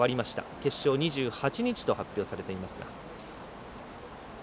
決勝２８日と発表されていますが。